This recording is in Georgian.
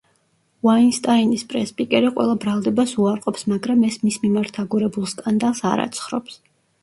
უაინსტაინის პრეს-სპიკერი ყველა ბრალდებას უარყოფს, მაგრამ ეს მის მიმართ აგორებულ სკანდალს არ აცხრობს.